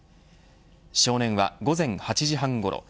少年は午前８時半ごろ